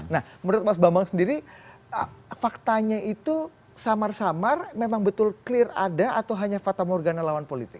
nah menurut mas bambang sendiri faktanya itu samar samar memang betul clear ada atau hanya fata morgana lawan politik